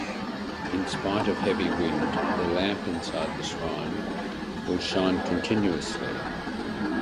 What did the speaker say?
In spite of heavy wind the lamp inside the shrine will shine continuously.